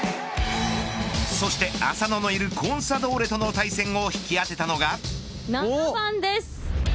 そして浅野のいるコンサドーレとの対戦を７番です。